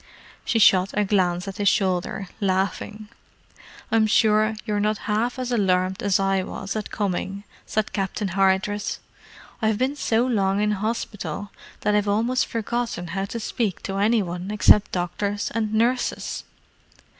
She shot a glance at his shoulder, laughing. "I'm sure you're not half as alarmed as I was at coming," said Captain Hardress. "I've been so long in hospital that I've almost forgotten how to speak to any one except doctors and nurses."